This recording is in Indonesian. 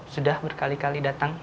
sudah berkali kali datang